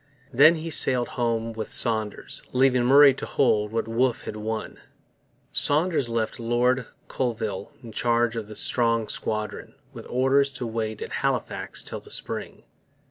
Then he sailed home with Saunders, leaving Murray to hold what Wolfe had won. Saunders left Lord Colville in charge of a strong squadron, with orders to wait at Halifax till the spring.